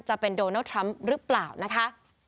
จะเป็นโดนัลดทรัมป์หรือเปล่านะคะ